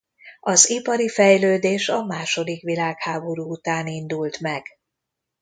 Az ipari fejlődés a második világháború után indult meg.